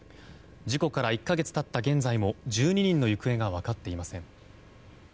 事故から１か月経った現在も１２人の行方が分かっていません。